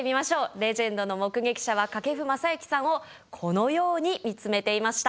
レジェンドの目撃者は掛布雅之さんをこのように見つめていました。